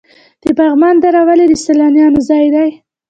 د پغمان دره ولې د سیلانیانو ځای دی؟